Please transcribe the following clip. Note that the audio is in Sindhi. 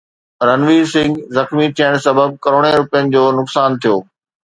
رنوير سنگهه زخمي ٿيڻ سبب ڪروڙين روپين جو نقصان ٿيو